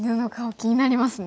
気になりますね。